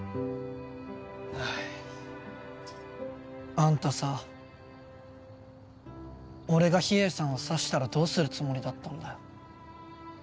あんたさ俺が秘影さんを刺したらどうするつもりだったんだよ。